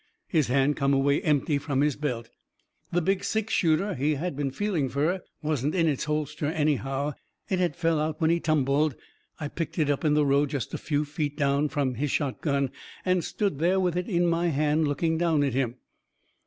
His hand come away empty from his belt. The big six shooter he had been feeling fur wasn't in its holster, anyhow. It had fell out when he tumbled. I picked it up in the road jest a few feet from his shot gun, and stood there with it in my hand, looking down at him.